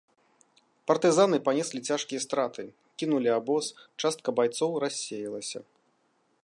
Партызаны панеслі цяжкія страты, кінулі абоз, частка байцоў рассеялася.